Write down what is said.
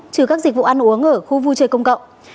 trừ các dịch vụ ăn uống ở khu vui chơi công cộng